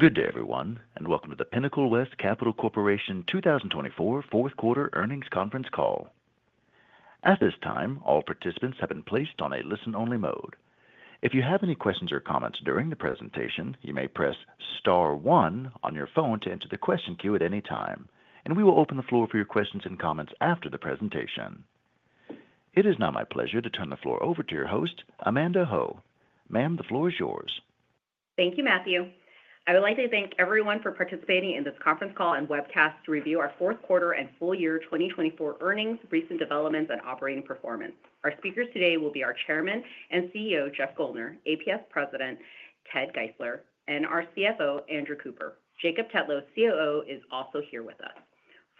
Good day, everyone, and welcome to the Pinnacle West Capital Corporation 2024 Fourth Quarter Earnings Conference Call. At this time, all participants have been placed on a listen-only mode. If you have any questions or comments during the presentation, you may press star one on your phone to enter the question queue at any time, and we will open the floor for your questions and comments after the presentation. It is now my pleasure to turn the floor over to your host, Amanda Ho. Ma'am, the floor is yours. Thank you, Matthew. I would like to thank everyone for participating in this conference call and webcast to review our fourth quarter and full year 2024 earnings, recent developments, and operating performance. Our speakers today will be our Chairman and CEO, Jeff Guldner, APS President, Ted Geisler, and our CFO, Andrew Cooper. Jacob Tetlow, COO, is also here with us.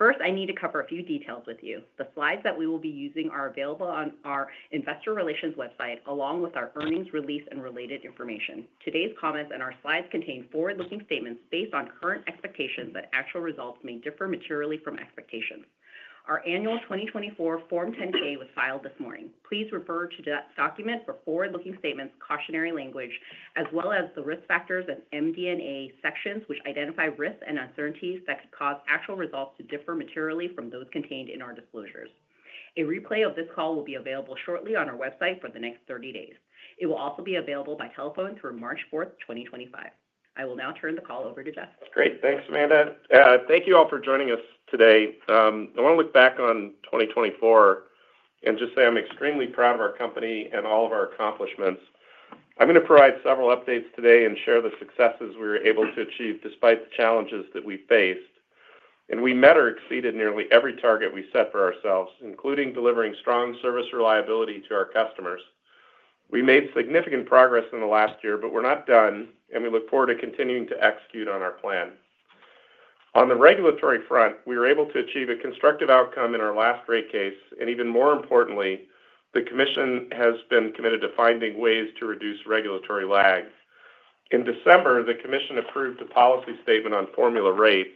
First, I need to cover a few details with you. The slides that we will be using are available on our Investor Relations website, along with our earnings release and related information. Today's comments and our slides contain forward-looking statements based on current expectations that actual results may differ materially from expectations. Our annual 2024 Form 10-K was filed this morning. Please refer to that document for forward-looking statements, cautionary language, as well as the Risk Factors and MD&A sections, which identify risks and uncertainties that could cause actual results to differ materially from those contained in our disclosures. A replay of this call will be available shortly on our website for the next 30 days. It will also be available by telephone through March 4th, 2025. I will now turn the call over to Jeff. Great. Thanks, Amanda. Thank you all for joining us today. I want to look back on 2024 and just say I'm extremely proud of our company and all of our accomplishments. I'm going to provide several updates today and share the successes we were able to achieve despite the challenges that we faced, and we met or exceeded nearly every target we set for ourselves, including delivering strong service reliability to our customers. We made significant progress in the last year, but we're not done, and we look forward to continuing to execute on our plan. On the regulatory front, we were able to achieve a constructive outcome in our last rate case, and even more importantly, the Commission has been committed to finding ways to reduce regulatory lag. In December, the Commission approved a policy statement on formula rates,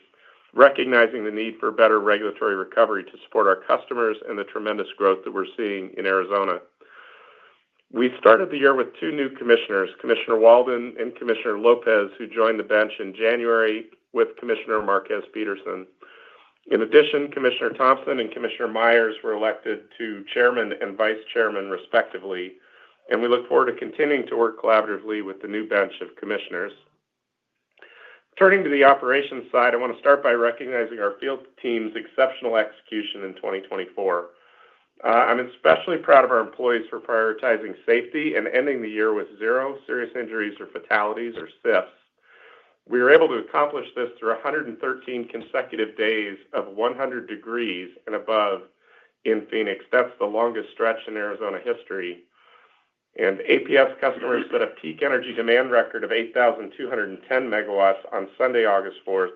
recognizing the need for better regulatory recovery to support our customers and the tremendous growth that we're seeing in Arizona. We started the year with two new commissioners, Commissioner Walden and Commissioner Lopez, who joined the bench in January with Commissioner Marquez Peterson. In addition, Commissioner Thompson and Commissioner Myers were elected to Chairman and Vice Chairman, respectively, and we look forward to continuing to work collaboratively with the new bench of commissioners. Turning to the operations side, I want to start by recognizing our field team's exceptional execution in 2024. I'm especially proud of our employees for prioritizing safety and ending the year with zero serious injuries or fatalities or SIFs. We were able to accomplish this through 113 consecutive days of 100 degrees and above in Phoenix. That's the longest stretch in Arizona history. APS customers set a peak energy demand record of 8,210 megawatts on Sunday, August 4th,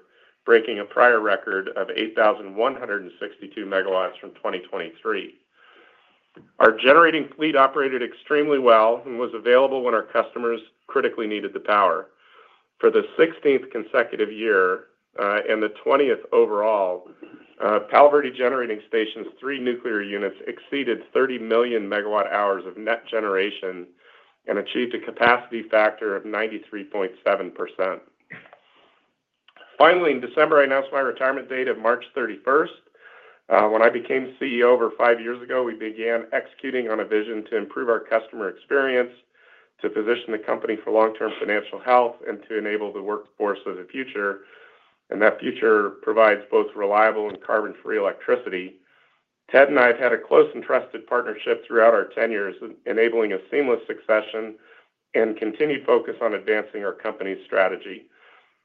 breaking a prior record of 8,162 megawatts from 2023. Our generating fleet operated extremely well and was available when our customers critically needed the power. For the 16th consecutive year and the 20th overall, Palo Verde Generating Station's three nuclear units exceeded 30 million megawatt-hours of net generation and achieved a capacity factor of 93.7%. Finally, in December, I announced my retirement date of March 31st. When I became CEO over five years ago, we began executing on a vision to improve our customer experience, to position the company for long-term financial health, and to enable the workforce of the future. That future provides both reliable and carbon-free electricity. Ted and I have had a close and trusted partnership throughout our tenures, enabling a seamless succession and continued focus on advancing our company's strategy.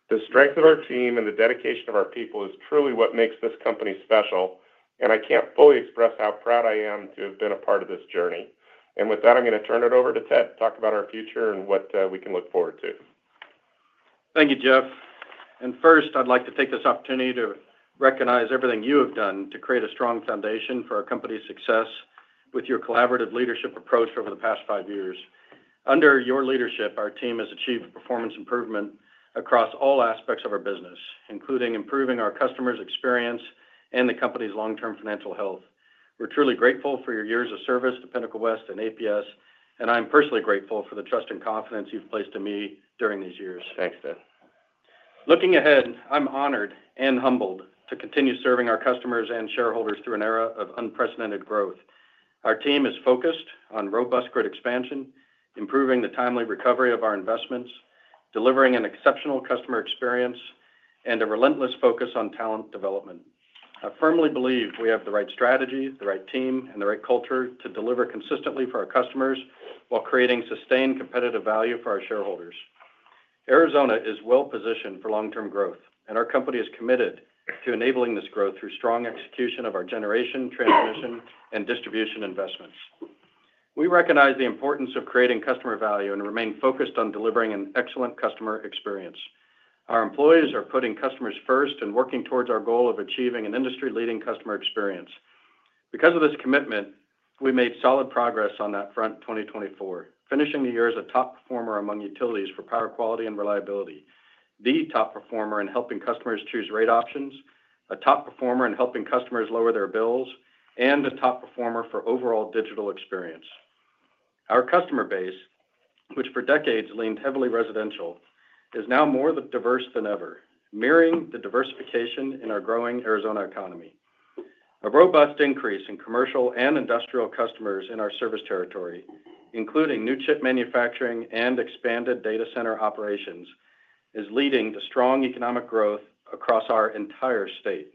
The strength of our team and the dedication of our people is truly what makes this company special, and I can't fully express how proud I am to have been a part of this journey. And with that, I'm going to turn it over to Ted to talk about our future and what we can look forward to. Thank you, Jeff. And first, I'd like to take this opportunity to recognize everything you have done to create a strong foundation for our company's success with your collaborative leadership approach over the past five years. Under your leadership, our team has achieved performance improvement across all aspects of our business, including improving our customers' experience and the company's long-term financial health. We're truly grateful for your years of service to Pinnacle West and APS, and I'm personally grateful for the trust and confidence you've placed in me during these years. Thanks, Ted. Looking ahead, I'm honored and humbled to continue serving our customers and shareholders through an era of unprecedented growth. Our team is focused on robust grid expansion, improving the timely recovery of our investments, delivering an exceptional customer experience, and a relentless focus on talent development. I firmly believe we have the right strategy, the right team, and the right culture to deliver consistently for our customers while creating sustained competitive value for our shareholders. Arizona is well-positioned for long-term growth, and our company is committed to enabling this growth through strong execution of our generation, transmission, and distribution investments. We recognize the importance of creating customer value and remain focused on delivering an excellent customer experience. Our employees are putting customers first and working towards our goal of achieving an industry-leading customer experience. Because of this commitment, we made solid progress on that front in 2024, finishing the year as a top performer among utilities for power quality and reliability, the top performer in helping customers choose rate options, a top performer in helping customers lower their bills, and a top performer for overall digital experience. Our customer base, which for decades leaned heavily residential, is now more diverse than ever, mirroring the diversification in our growing Arizona economy. A robust increase in commercial and industrial customers in our service territory, including new chip manufacturing and expanded data center operations, is leading to strong economic growth across our entire state.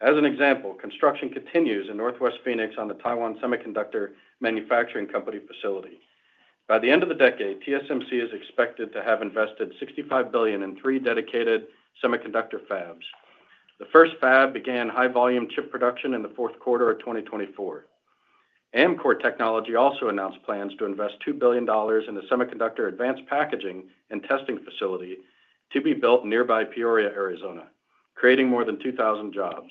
As an example, construction continues in Northwest Phoenix on the Taiwan Semiconductor Manufacturing Company facility. By the end of the decade, TSMC is expected to have invested $65 billion in three dedicated semiconductor fabs. The first fab began high-volume chip production in the fourth quarter of 2024. Amkor Technology also announced plans to invest $2 billion in a semiconductor advanced packaging and testing facility to be built nearby Peoria, Arizona, creating more than 2,000 jobs.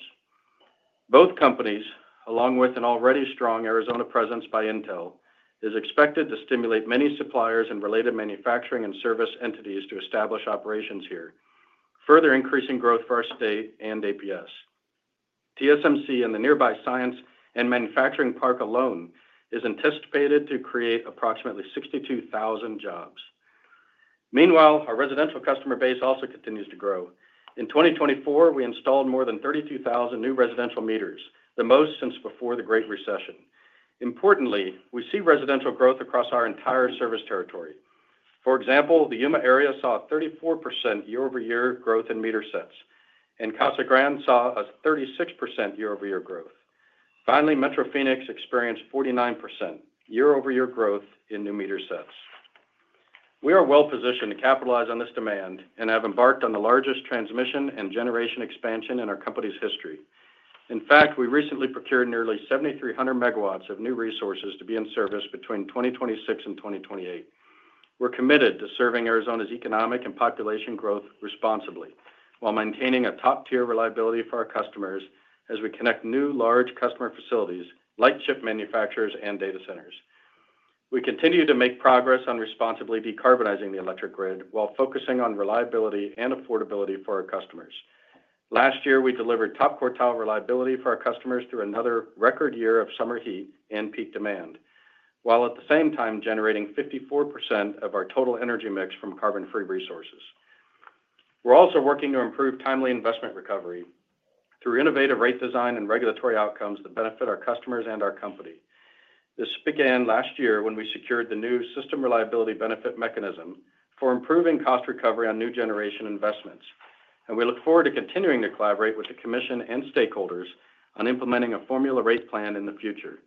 Both companies, along with an already strong Arizona presence by Intel, are expected to stimulate many suppliers and related manufacturing and service entities to establish operations here, further increasing growth for our state and APS. TSMC and the nearby science and manufacturing park alone are anticipated to create approximately 62,000 jobs. Meanwhile, our residential customer base also continues to grow. In 2024, we installed more than 32,000 new residential meters, the most since before the Great Recession. Importantly, we see residential growth across our entire service territory. For example, the Yuma area saw a 34% year-over-year growth in meter sets, and Casa Grande saw a 36% year-over-year growth. Finally, Metro Phoenix experienced 49% year-over-year growth in new meter sets. We are well-positioned to capitalize on this demand and have embarked on the largest transmission and generation expansion in our company's history. In fact, we recently procured nearly 7,300 megawatts of new resources to be in service between 2026 and 2028. We're committed to serving Arizona's economic and population growth responsibly while maintaining a top-tier reliability for our customers as we connect new large customer facilities, like chip manufacturers, and data centers. We continue to make progress on responsibly decarbonizing the electric grid while focusing on reliability and affordability for our customers. Last year, we delivered top quartile reliability for our customers through another record year of summer heat and peak demand, while at the same time generating 54% of our total energy mix from carbon-free resources. We're also working to improve timely investment recovery through innovative rate design and regulatory outcomes that benefit our customers and our company. This began last year when we secured the new System Reliability Benefit mechanism for improving cost recovery on new generation investments, and we look forward to continuing to collaborate with the Commission and stakeholders on implementing a Formula Rate Plan in the future.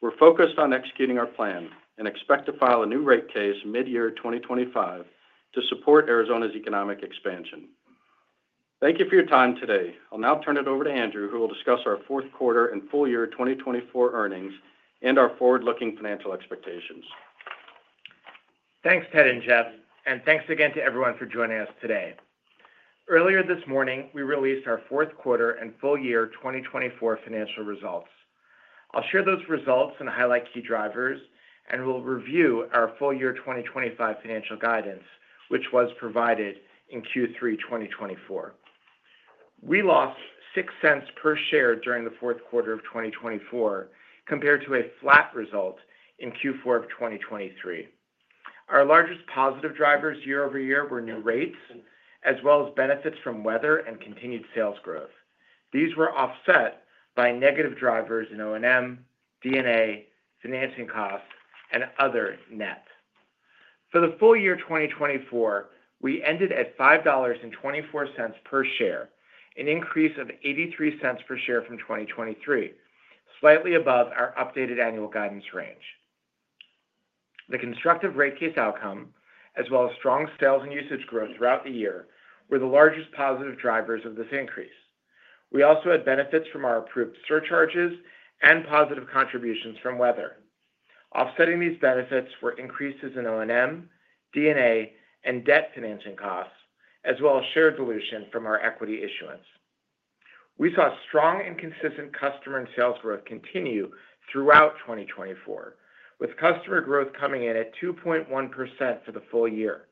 We're focused on executing our plan and expect to file a new rate case mid-year 2025 to support Arizona's economic expansion. Thank you for your time today. I'll now turn it over to Andrew, who will discuss our fourth quarter and full year 2024 earnings and our forward-looking financial expectations. Thanks, Ted and Jeff, and thanks again to everyone for joining us today. Earlier this morning, we released our fourth quarter and full year 2024 financial results. I'll share those results and highlight key drivers, and we'll review our full year 2025 financial guidance, which was provided in Q3 2024. We lost $0.06 per share during the fourth quarter of 2024 compared to a flat result in Q4 of 2023. Our largest positive drivers year-over-year were new rates, as well as benefits from weather and continued sales growth. These were offset by negative drivers in O&M, D&A, financing costs, and other net. For the full year 2024, we ended at $5.24 per share, an increase of $0.83 per share from 2023, slightly above our updated annual guidance range. The constructive rate case outcome, as well as strong sales and usage growth throughout the year, were the largest positive drivers of this increase. We also had benefits from our approved surcharges and positive contributions from weather. Offsetting these benefits were increases in O&M, D&A, and debt financing costs, as well as share dilution from our equity issuance. We saw strong and consistent customer and sales growth continue throughout 2024, with customer growth coming in at 2.1% for the full year.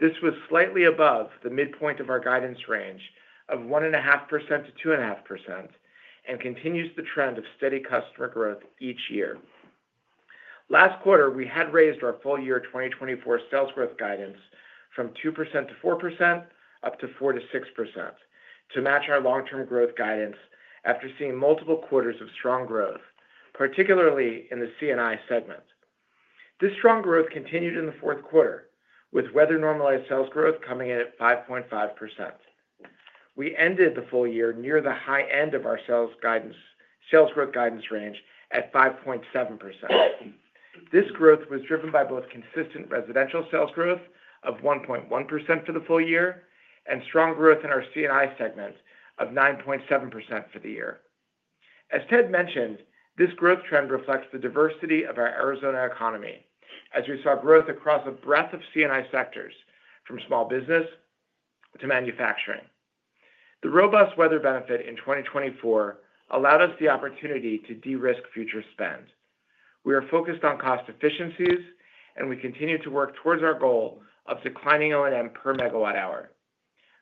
This was slightly above the midpoint of our guidance range of 1.5%-2.5% and continues the trend of steady customer growth each year. Last quarter, we had raised our full year 2024 sales growth guidance from 2%-4% up to 4%-6% to match our long-term growth guidance after seeing multiple quarters of strong growth, particularly in the C&I segment. This strong growth continued in the fourth quarter, with weather-normalized sales growth coming in at 5.5%. We ended the full year near the high end of our sales growth guidance range at 5.7%. This growth was driven by both consistent residential sales growth of 1.1% for the full year and strong growth in our C&I segment of 9.7% for the year. As Ted mentioned, this growth trend reflects the diversity of our Arizona economy, as we saw growth across a breadth of C&I sectors, from small business to manufacturing. The robust weather benefit in 2024 allowed us the opportunity to de-risk future spend. We are focused on cost efficiencies, and we continue to work towards our goal of declining O&M per megawatt-hour.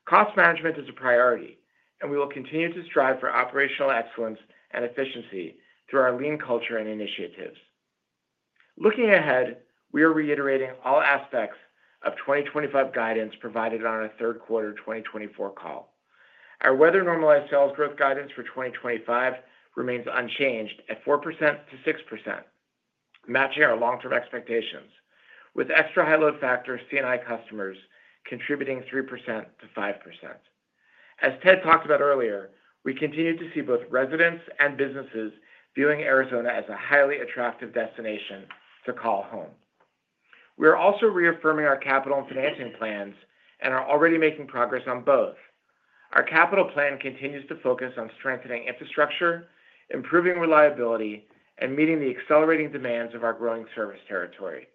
Cost management is a priority, and we will continue to strive for operational excellence and efficiency through our lean culture and initiatives. Looking ahead, we are reiterating all aspects of 2025 guidance provided on our third quarter 2024 call. Our weather-normalized sales growth guidance for 2025 remains unchanged at 4%-6%, matching our long-term expectations, with extra high-load factor C&I customers contributing 3%-5%. As Ted talked about earlier, we continue to see both residents and businesses viewing Arizona as a highly attractive destination to call home. We are also reaffirming our capital and financing plans and are already making progress on both. Our capital plan continues to focus on strengthening infrastructure, improving reliability, and meeting the accelerating demands of our growing service territory.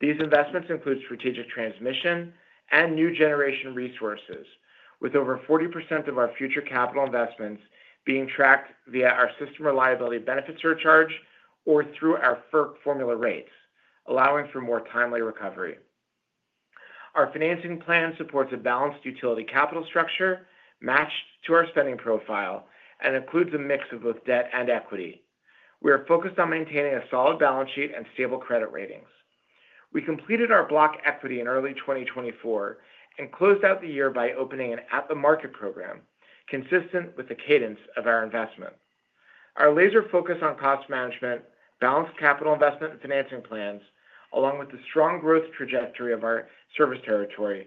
These investments include strategic transmission and new generation resources, with over 40% of our future capital investments being tracked via our system reliability benefit surcharge or through our FERC formula rates, allowing for more timely recovery. Our financing plan supports a balanced utility capital structure matched to our spending profile and includes a mix of both debt and equity. We are focused on maintaining a solid balance sheet and stable credit ratings. We completed our block equity in early 2024 and closed out the year by opening an at-the-market program consistent with the cadence of our investment. Our laser focus on cost management, balanced capital investment, and financing plans, along with the strong growth trajectory of our service territory,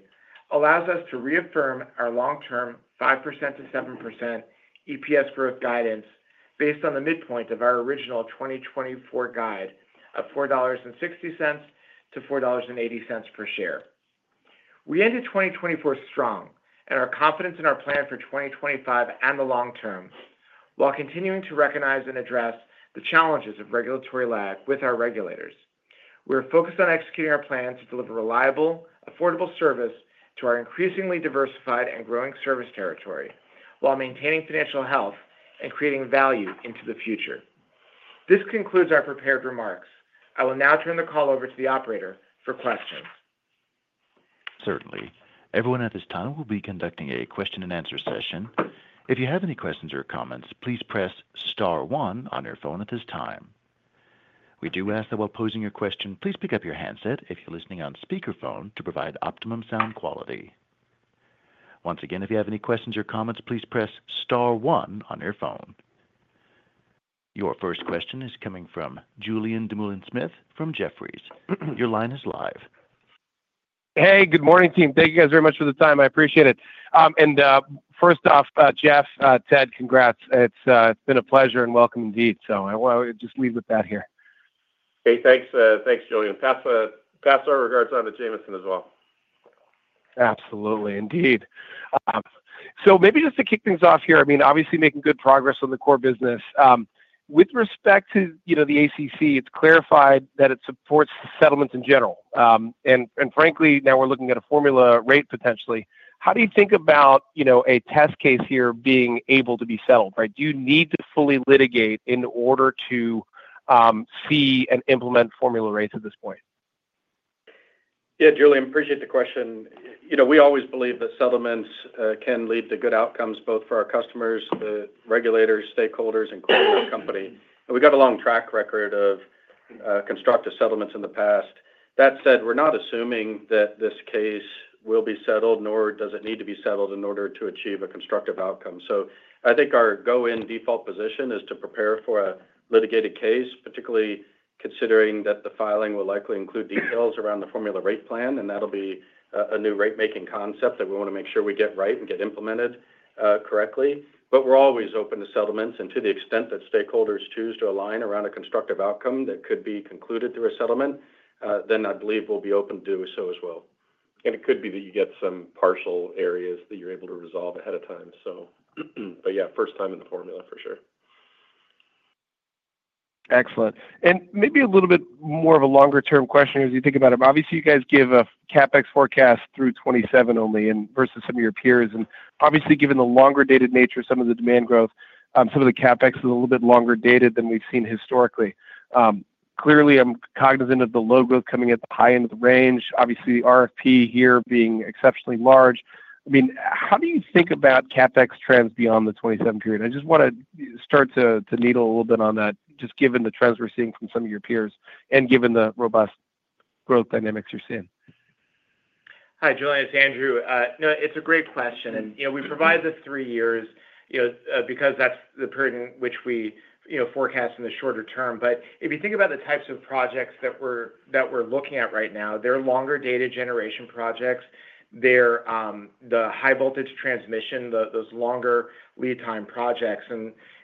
allows us to reaffirm our long-term 5%-7% EPS growth guidance based on the midpoint of our original 2024 guide of $4.60-$4.80 per share. We ended 2024 strong and are confident in our plan for 2025 and the long term while continuing to recognize and address the challenges of regulatory lag with our regulators. We are focused on executing our plan to deliver reliable, affordable service to our increasingly diversified and growing service territory while maintaining financial health and creating value into the future. This concludes our prepared remarks. I will now turn the call over to the operator for questions. Certainly. Everyone at this time will be conducting a question-and-answer session. If you have any questions or comments, please press star one on your phone at this time. We do ask that while posing your question, please pick up your handset if you're listening on speakerphone to provide optimum sound quality. Once again, if you have any questions or comments, please press star one on your phone. Your first question is coming from Julien Dumoulin-Smith from Jefferies. Your line is live. Hey, good morning, team. Thank you guys very much for the time. I appreciate it. And first off, Jeff, Ted, congrats. It's been a pleasure and welcome indeed. So I want to just leave with that here. Hey, thanks. Thanks, Julien. Pass our regards on to Jamison as well. Absolutely, indeed. So maybe just to kick things off here, I mean, obviously making good progress on the core business. With respect to the ACC, it's clarified that it supports settlements in general. And frankly, now we're looking at a formula rate potentially. How do you think about a test case here being able to be settled? Do you need to fully litigate in order to see and implement formula rates at this point? Yeah, Julien, appreciate the question. We always believe that settlements can lead to good outcomes both for our customers, the regulators, stakeholders, including our company. And we've got a long track record of constructive settlements in the past. That said, we're not assuming that this case will be settled, nor does it need to be settled in order to achieve a constructive outcome. So I think our go-in default position is to prepare for a litigated case, particularly considering that the filing will likely include details around the formula rate plan, and that'll be a new rate-making concept that we want to make sure we get right and get implemented correctly. But we're always open to settlements, and to the extent that stakeholders choose to align around a constructive outcome that could be concluded through a settlement, then I believe we'll be open to do so as well. It could be that you get some partial areas that you're able to resolve ahead of time. Yeah, first time in the formula for sure. Excellent. And maybe a little bit more of a longer-term question as you think about it. Obviously, you guys give a CapEx forecast through 2027 only versus some of your peers. And obviously, given the longer-dated nature of some of the demand growth, some of the CapEx is a little bit longer-dated than we've seen historically. Clearly, I'm cognizant of the load growth coming at the high end of the range, obviously RFP here being exceptionally large. I mean, how do you think about CapEx trends beyond the 2027 period? I just want to start to needle a little bit on that, just given the trends we're seeing from some of your peers and given the robust growth dynamics you're seeing. Hi, Julien. It's Andrew. No, it's a great question, and we provide the three years because that's the period in which we forecast in the shorter term, but if you think about the types of projects that we're looking at right now, they're longer-term generation projects. They're the high-voltage transmission, those longer lead-time projects,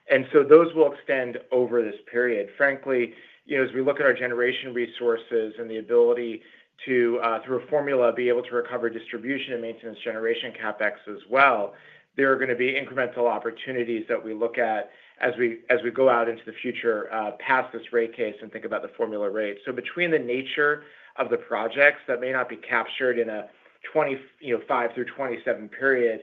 and so those will extend over this period. Frankly, as we look at our generation resources and the ability to, through a formula, be able to recover distribution and maintenance generation CapEx as well, there are going to be incremental opportunities that we look at as we go out into the future past this rate case and think about the formula rate. So, between the nature of the projects that may not be captured in a 2025 through 2027 period,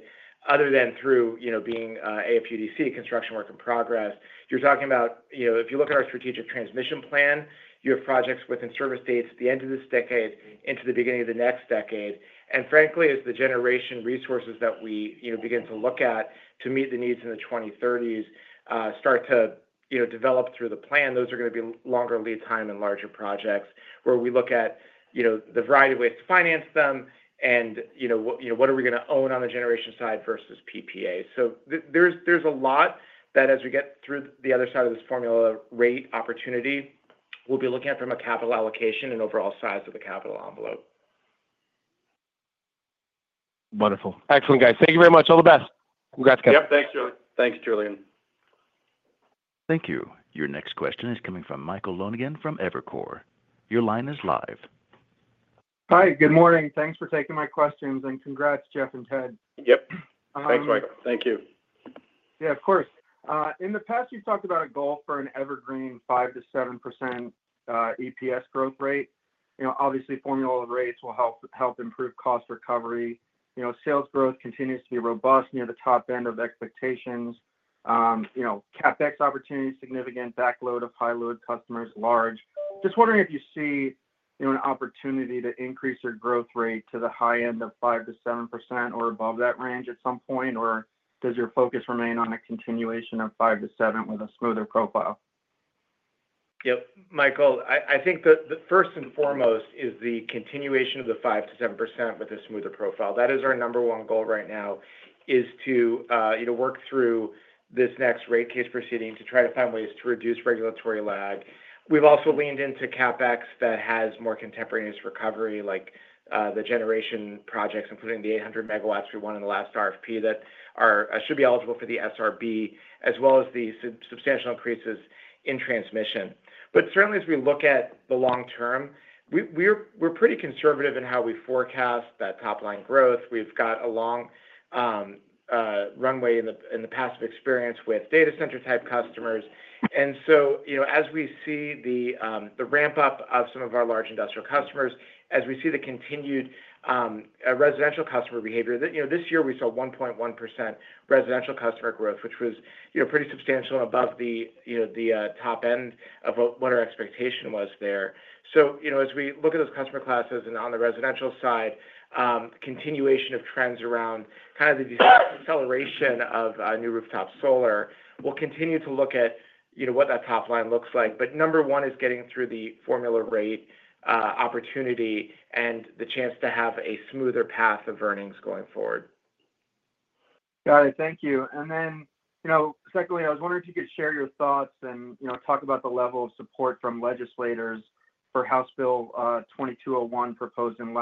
other than through being AFUDC, Construction Work in Progress, you're talking about if you look at our strategic transmission plan, you have projects within service dates at the end of this decade, into the beginning of the next decade. And frankly, as the generation resources that we begin to look at to meet the needs in the 2030s start to develop through the plan, those are going to be longer lead-time and larger projects where we look at the variety of ways to finance them and what are we going to own on the generation side versus PPA. So, there's a lot that as we get through the other side of this formula rate opportunity, we'll be looking at from a capital allocation and overall size of the capital envelope. Wonderful. Excellent, guys. Thank you very much. All the best. Congrats, guys. Yep. Thanks, Julien. Thank you. Your next question is coming from Michael Lonegan from Evercore. Your line is live. Hi, good morning. Thanks for taking my questions. And congrats, Jeff and Ted. Yep. Thanks, Michael. Thank you. Yeah, of course. In the past, you've talked about a goal for an evergreen 5%-7% EPS growth rate. Obviously, formula rates will help improve cost recovery. Sales growth continues to be robust near the top end of expectations. CapEx opportunity is significant. Backload of high-load customers large. Just wondering if you see an opportunity to increase your growth rate to the high end of 5%-7% or above that range at some point, or does your focus remain on a continuation of 5%-7% with a smoother profile? Yep. Michael, I think that first and foremost is the continuation of the 5%-7% with a smoother profile. That is our number one goal right now, is to work through this next rate case proceeding to try to find ways to reduce regulatory lag. We've also leaned into CapEx that has more contemporaneous recovery, like the generation projects, including the 800 megawatts we won in the last RFP that should be eligible for the SRB, as well as the substantial increases in transmission. But certainly, as we look at the long term, we're pretty conservative in how we forecast that top-line growth. We've got a long runway in the past of experience with data center-type customers. And so as we see the ramp-up of some of our large industrial customers, as we see the continued residential customer behavior, this year we saw 1.1% residential customer growth, which was pretty substantial and above the top end of what our expectation was there. So as we look at those customer classes and on the residential side, continuation of trends around kind of the acceleration of new rooftop solar, we'll continue to look at what that top line looks like. But number one is getting through the formula rate opportunity and the chance to have a smoother path of earnings going forward. Got it. Thank you. And then secondly, I was wondering if you could share your thoughts and talk about the level of support from legislators for House Bill 2201 proposed in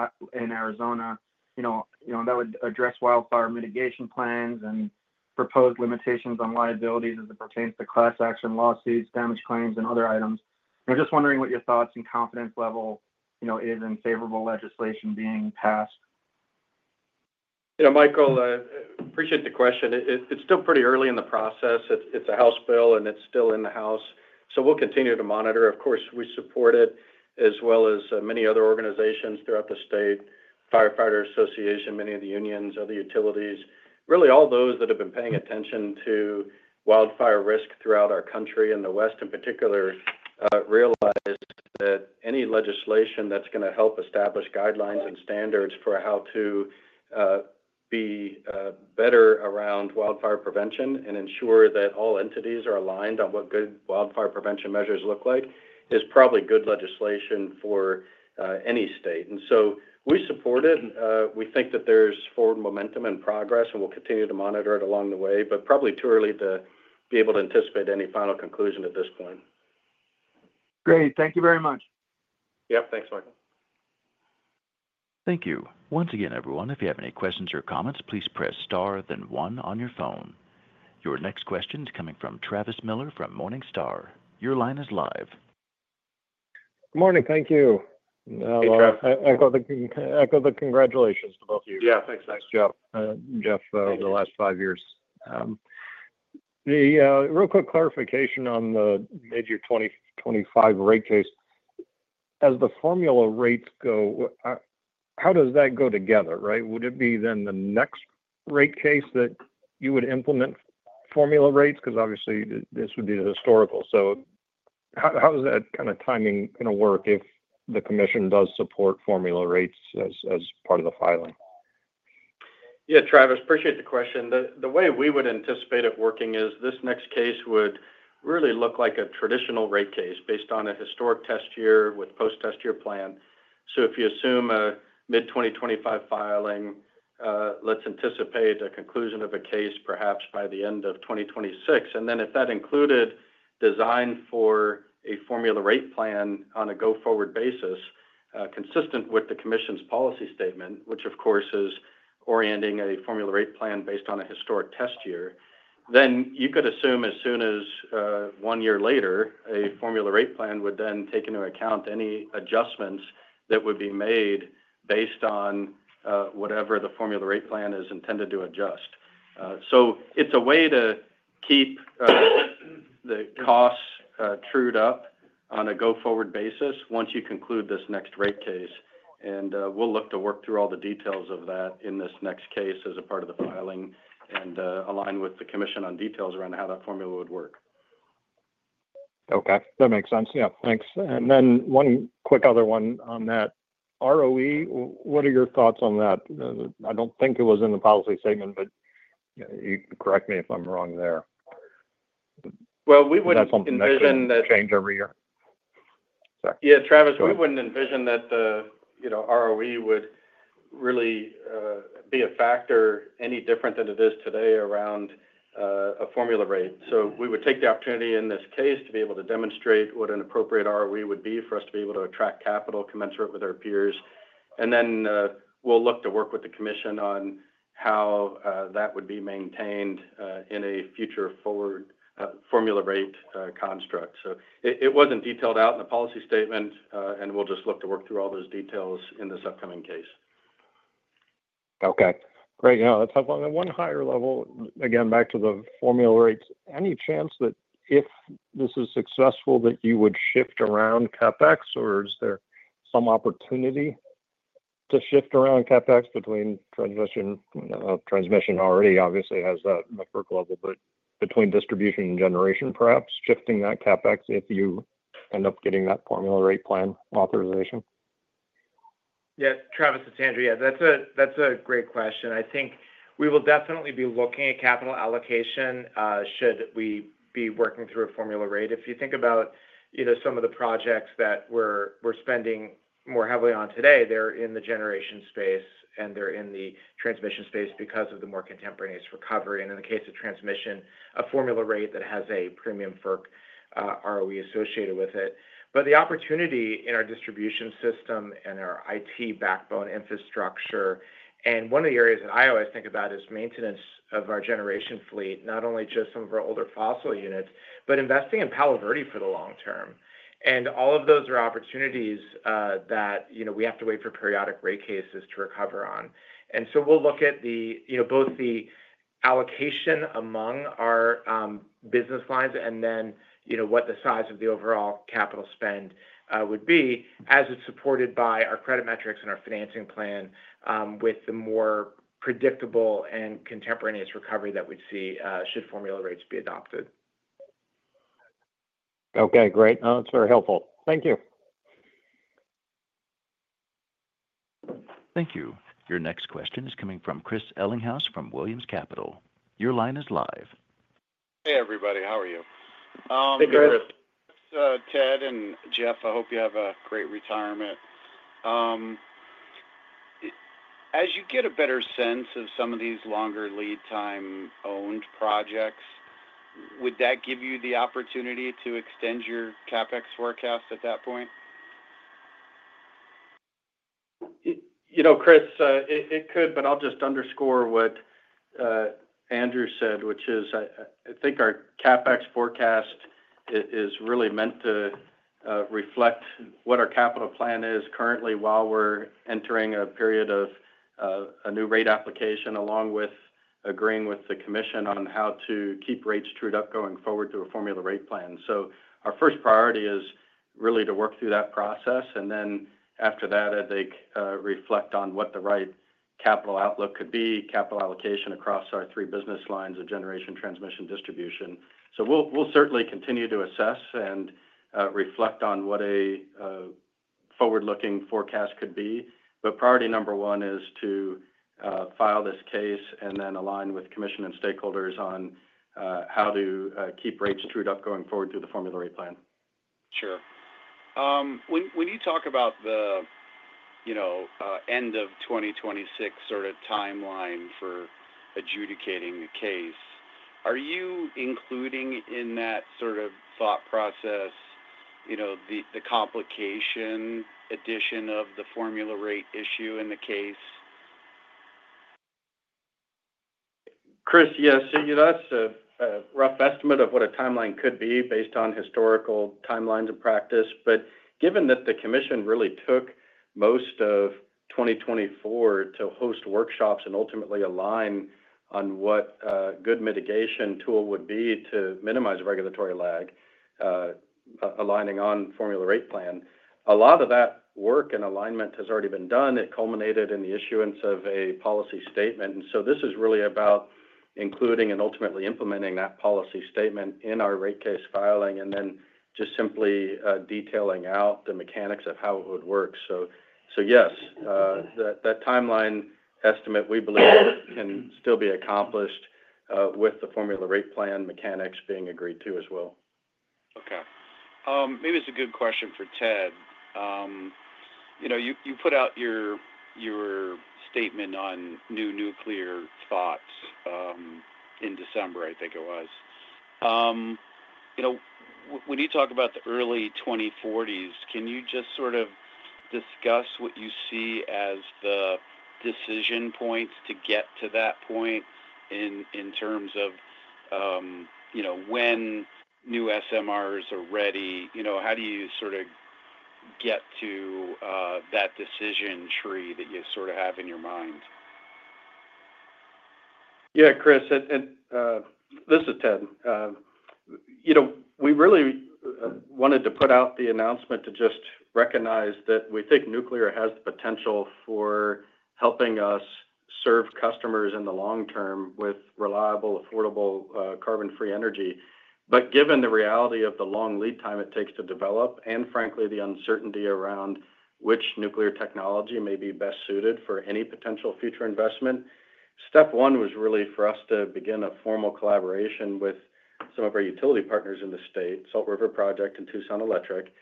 Arizona. That would address wildfire mitigation plans and proposed limitations on liabilities as it pertains to class action lawsuits, damage claims, and other items. I'm just wondering what your thoughts and confidence level is in favorable legislation being passed. Michael, appreciate the question. It's still pretty early in the process. It's a House bill, and it's still in the House. So we'll continue to monitor. Of course, we support it, as well as many other organizations throughout the state, Firefighters Association, many of the unions, other utilities. Really, all those that have been paying attention to wildfire risk throughout our country and the West in particular realize that any legislation that's going to help establish guidelines and standards for how to be better around wildfire prevention and ensure that all entities are aligned on what good wildfire prevention measures look like is probably good legislation for any state, and so we support it. We think that there's forward momentum and progress, and we'll continue to monitor it along the way, but probably too early to be able to anticipate any final conclusion at this point. Great. Thank you very much. Yep. Thanks, Michael. Thank you. Once again, everyone, if you have any questions or comments, please press star, then one on your phone. Your next question is coming from Travis Miller from Morningstar. Your line is live. Good morning. Thank you. Hey. Echo the congratulations to both of you. Yeah. Thanks. Thanks, over the last five years. Real quick clarification on the major 2025 rate case. As the formula rates go, how does that go together? Would it be then the next rate case that you would implement formula rates? Because obviously, this would be the historical. So how is that kind of timing going to work if the Commission does support formula rates as part of the filing? Yeah, Travis, appreciate the question. The way we would anticipate it working is this next case would really look like a traditional rate case based on a historic test year with post-test year plan. So if you assume a mid-2025 filing, let's anticipate a conclusion of a case perhaps by the end of 2026. And then if that included design for a formula rate plan on a go-forward basis consistent with the Commission's policy statement, which of course is orienting a formula rate plan based on a historic test year, then you could assume as soon as one year later, a formula rate plan would then take into account any adjustments that would be made based on whatever the formula rate plan is intended to adjust. So it's a way to keep the costs trued up on a go-forward basis once you conclude this next rate case. We'll look to work through all the details of that in this next case as a part of the filing and align with the Commission on details around how that formula would work. Okay. That makes sense. Yeah. Thanks. And then one quick other one on that. ROE, what are your thoughts on that? I don't think it was in the policy statement, but you can correct me if I'm wrong there. We wouldn't envision that. That's on the change every year. Yeah, Travis, we wouldn't envision that the ROE would really be a factor any different than it is today around a formula rate. So we would take the opportunity in this case to be able to demonstrate what an appropriate ROE would be for us to be able to attract capital, commensurate with our peers. And then we'll look to work with the Commission on how that would be maintained in a future forward formula rate construct. So it wasn't detailed out in the policy statement, and we'll just look to work through all those details in this upcoming case. Okay. Great. Yeah. That's helpful. On the one higher level, again, back to the formula rates, any chance that if this is successful, that you would shift around CapEx, or is there some opportunity to shift around CapEx between transmission? Transmission already obviously has that network level, but between distribution and generation, perhaps shifting that CapEx if you end up getting that formula rate plan authorization? Yeah. Travis, it's Andrew. Yeah, that's a great question. I think we will definitely be looking at capital allocation should we be working through a formula rate. If you think about some of the projects that we're spending more heavily on today, they're in the generation space, and they're in the transmission space because of the more contemporaneous recovery. And in the case of transmission, a formula rate that has a premium for ROE associated with it. But the opportunity in our distribution system and our IT backbone infrastructure, and one of the areas that I always think about is maintenance of our generation fleet, not only just some of our older fossil units, but investing in Palo Verde for the long term. And all of those are opportunities that we have to wait for periodic rate cases to recover on. We'll look at both the allocation among our business lines and then what the size of the overall capital spend would be as it's supported by our credit metrics and our financing plan with the more predictable and contemporaneous recovery that we'd see should formula rates be adopted. Okay. Great. That's very helpful. Thank you. Thank you. Your next question is coming from Chris Ellinghaus from Williams Capital. Your line is live. Hey, everybody. How are you? Hey, Chris. Ted and Jeff, I hope you have a great retirement. As you get a better sense of some of these longer lead-time owned projects, would that give you the opportunity to extend your CapEx forecast at that point? Chris, it could, but I'll just underscore what Andrew said, which is I think our CapEx forecast is really meant to reflect what our capital plan is currently while we're entering a period of a new rate application along with agreeing with the Commission on how to keep rates trued up going forward to a formula rate plan. So our first priority is really to work through that process. And then after that, I think reflect on what the right capital outlook could be, capital allocation across our three business lines of generation, transmission, distribution. So we'll certainly continue to assess and reflect on what a forward-looking forecast could be. But priority number one is to file this case and then align with Commission and stakeholders on how to keep rates trued up going forward through the formula rate plan. Sure. When you talk about the end of 2026 sort of timeline for adjudicating the case, are you including in that sort of thought process the complication addition of the formula rate issue in the case? Chris, yes. That's a rough estimate of what a timeline could be based on historical timelines of practice. But given that the commission really took most of 2024 to host workshops and ultimately align on what a good mitigation tool would be to minimize regulatory lag, aligning on formula rate plan, a lot of that work and alignment has already been done. It culminated in the issuance of a policy statement. And so this is really about including and ultimately implementing that policy statement in our rate case filing and then just simply detailing out the mechanics of how it would work. So yes, that timeline estimate we believe can still be accomplished with the formula rate plan mechanics being agreed to as well. Okay. Maybe it's a good question for Ted. You put out your statement on new nuclear thoughts in December, I think it was. When you talk about the early 2040s, can you just sort of discuss what you see as the decision points to get to that point in terms of when new SMRs are ready? How do you sort of get to that decision tree that you sort of have in your mind? Yeah, Chris. And this is Ted. We really wanted to put out the announcement to just recognize that we think nuclear has the potential for helping us serve customers in the long term with reliable, affordable, carbon-free energy. But given the reality of the long lead time it takes to develop and, frankly, the uncertainty around which nuclear technology may be best suited for any potential future investment, step one was really for us to begin a formal collaboration with some of our utility partners in the state, Salt River Project and Tucson Electric,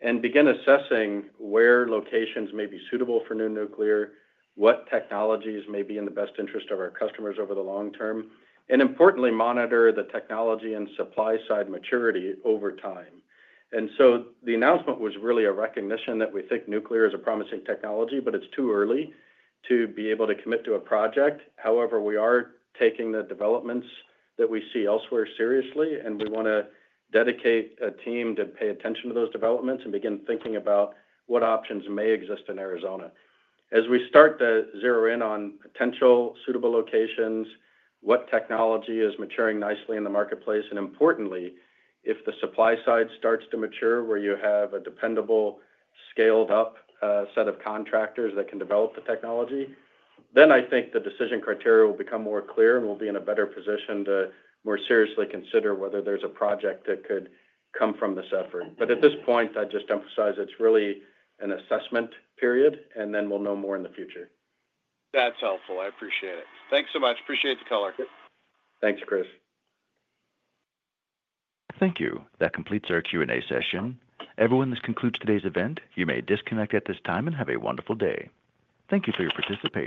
and begin assessing where locations may be suitable for new nuclear, what technologies may be in the best interest of our customers over the long term, and importantly, monitor the technology and supply side maturity over time. And so the announcement was really a recognition that we think nuclear is a promising technology, but it's too early to be able to commit to a project. However, we are taking the developments that we see elsewhere seriously, and we want to dedicate a team to pay attention to those developments and begin thinking about what options may exist in Arizona. As we start to zero in on potential suitable locations, what technology is maturing nicely in the marketplace, and importantly, if the supply side starts to mature where you have a dependable, scaled-up set of contractors that can develop the technology, then I think the decision criteria will become more clear and we'll be in a better position to more seriously consider whether there's a project that could come from this effort. But at this point, I'd just emphasize it's really an assessment period, and then we'll know more in the future. That's helpful. I appreciate it. Thanks so much. Appreciate the color. Thanks, Chris. Thank you. That completes our Q&A session. Everyone, this concludes today's event. You may disconnect at this time and have a wonderful day. Thank you for your participation.